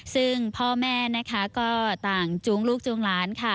ซึ่งพ่อแม่ก็ต่างจู๊งลูกจู๊งหลาน